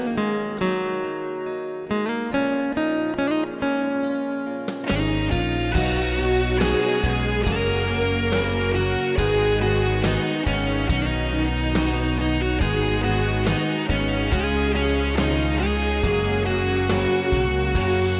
ลูกของพ่อค่ะ